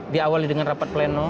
diawali dengan rapat pleno